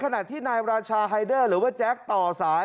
ขณะที่นายราชาไฮเดอร์หรือว่าแจ๊กต่อสาย